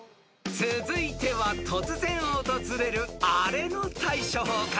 ［続いては突然訪れるあれの対処法から問題］